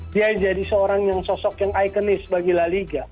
dia akan menjadi sosok yang ikonis bagi la liga